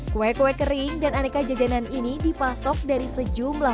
kue kue kering dan aneka jajanan ini dipasok dari sejumlah